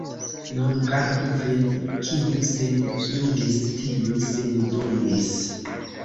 Nun gardu vin: kiu sin jungis, tiu sin dungis.